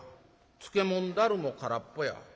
漬物だるも空っぽや。